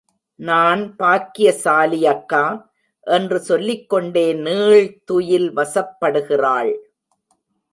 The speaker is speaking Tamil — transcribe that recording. நான் பாக்கியசாலி அக்கா! என்று சொல்லிக்கொண்டே நீள்துயில் வசப்படுகிறாள்.